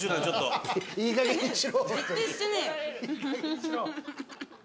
いいかげんにしろ。